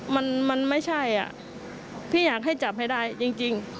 มันมันไม่ใช่อ่ะพี่อยากให้จับให้ได้จริง